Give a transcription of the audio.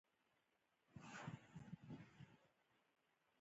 ښځه يې لږ لرې پر وچه ځمکه پرېيستله.